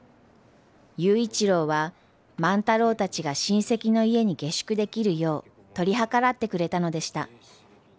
佑一郎は万太郎たちが親戚の家に下宿できるよう取り計らってくれたのでした。